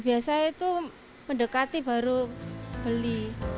biasanya itu mendekati baru beli